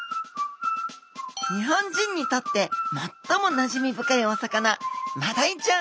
日本人にとってもっともなじみ深いお魚マダイちゃん。